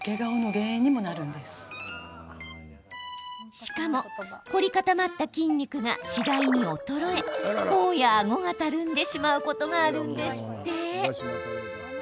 しかも凝り固まった筋肉が次第に衰え、ほおやあごがたるんでしまうことがあるんですって。